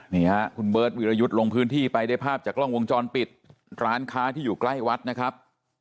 นี่ฮะคุณเบิร์ตวิรยุทธ์ลงพื้นที่ไปได้ภาพจากกล้องวงจรปิดร้านค้าที่อยู่ใกล้วัดนะครับ